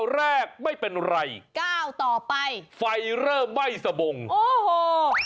๙แรกไม่เป็นไร๙ต่อไปไฟเริ่มไหม้สบงโอ้โห